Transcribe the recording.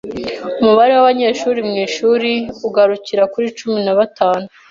Umubare wabanyeshuri mwishuri ugarukira kuri cumi na batanu.